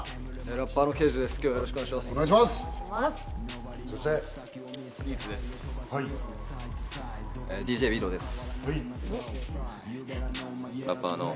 ラッパーのＫＥＩＪＵです、今日はよろしくお願いします。